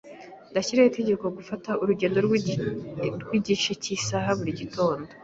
Ndashyiraho itegeko gufata urugendo rw'igice cy'isaha buri gitondo.